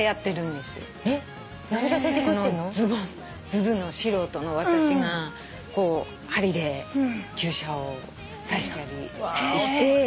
ずぶの素人の私がこう針で注射を刺したりして。